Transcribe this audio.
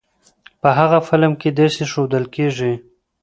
په هغه فلم کې داسې ښودل کېږی.